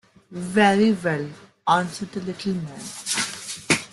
"Very well," answered the little man.